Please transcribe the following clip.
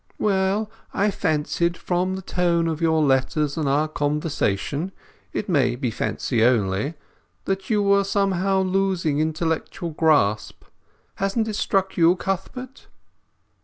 "Well, I fancied, from the tone of your letters and our conversation—it may be fancy only—that you were somehow losing intellectual grasp. Hasn't it struck you, Cuthbert?"